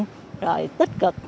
trương tích cực